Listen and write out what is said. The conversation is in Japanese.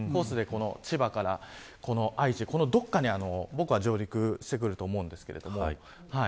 千葉から愛知、このどこかに上陸してくると思うんですけど。